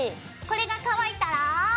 これが乾いたら。